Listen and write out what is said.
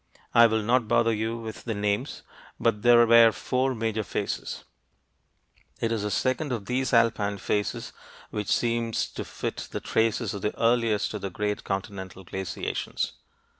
I will not bother you with the names, but there were four major phases. It is the second of these alpine phases which seems to fit the traces of the earliest of the great continental glaciations.